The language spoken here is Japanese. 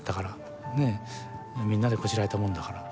みんなでこしらえたものだから。